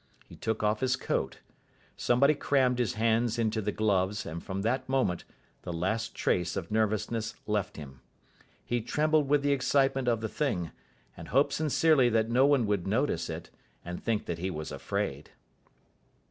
He took off his coat. Somebody crammed his hands into the gloves and from that moment the last trace of nervousness left him. He trembled with the excitement of the thing, and hoped sincerely that no one would notice it, and think that he was afraid.